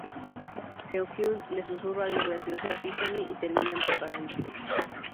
Seohyun le susurra algo gracioso a Tiffany y terminan preparándose.